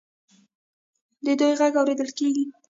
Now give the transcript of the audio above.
د دوی غږ اوریدل کیږي.